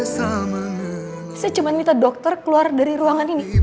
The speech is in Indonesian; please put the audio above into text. saya cuma minta dokter keluar dari ruangan ini